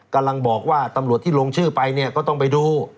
กำลังบอกว่าตำรวจที่ลงชื่อไปเนี่ยก็ต้องไปดู